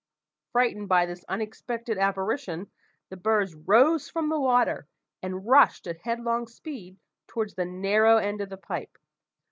Frightened by this unexpected apparition, the birds rose from the water, and rushed at headlong speed towards the narrow end of the pipe.